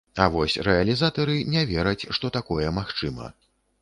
А вось рэалізатары не вераць, што такое магчыма.